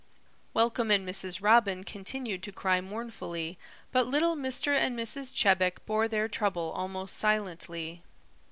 Welcome and Mrs. Robin continued to cry mournfully, but little Mr. and Mrs. Chebec bore their trouble almost silently.